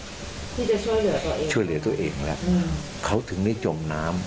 ที่จะช่วยเหลือตัวเองช่วยเหลือตัวเองแล้วเขาถึงได้จมน้ำ